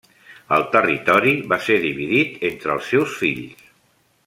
El territori va ser dividit entre els seus fills.